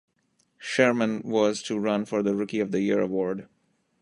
Sherman was to run for the Rookie of the Year award.